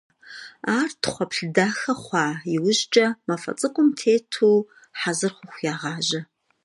Ар тхъуэплъ дахэ хъуа иужькӀэ, мафӀэ цӀыкӀум тету хьэзыр хъуху ягъажьэ.